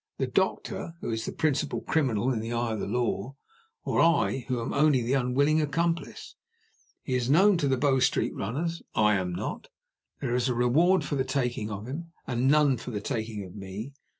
The doctor, who is the principal criminal in the eye of the law, or I, who am only the unwilling accomplice? He is known to the Bow Street runners I am not. There is a reward for the taking of him, and none for the taking of me.